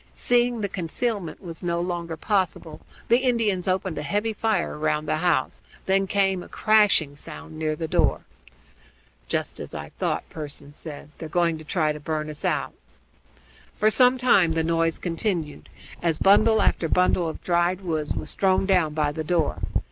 Seeing that concealment was no longer possible, the Indians opened a heavy fire round the house; then came a crashing sound near the door. "Just as I thought," Pearson said. "They're going to try to burn us out." For some time the noise continued, as bundle after bundle of dried wood was thrown down by the door.